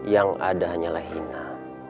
yang ada hanyalah hina